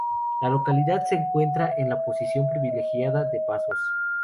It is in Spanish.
La localidad se encuentra en una posición privilegiada de pasos.